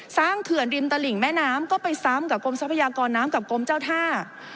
เขื่อนริมตลิ่งแม่น้ำก็ไปซ้ำกับกรมทรัพยากรน้ำกับกรมเจ้าท่า